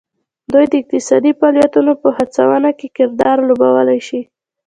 دوی د اقتصادي فعالیتونو په هڅونه کې کردار لوبولی شي